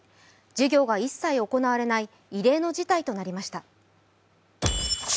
授業が一切行われない異例の事態となりました。